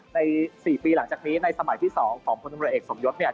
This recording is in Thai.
ใน๔ปีหลังจากนี้ในสมัยที่๒ของพลตำรวจเอกสมยศเนี่ย